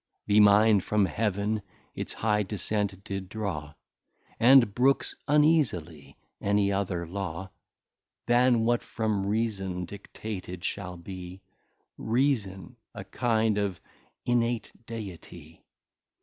The Mind from Heaven its high Descent did draw, And brooks uneasily any other Law, Than what from Reason dictated shall be, Reason, a kind of In mate Deity.